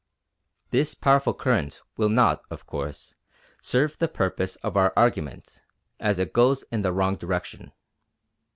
This powerful current will not, of course, serve the purpose of our argument, as it goes in the wrong direction.